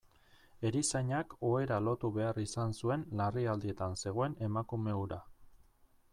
Erizainak ohera lotu behar izan zuen larrialdietan zegoen emakume hura.